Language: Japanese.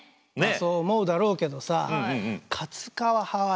そう思うだろうけどさえ！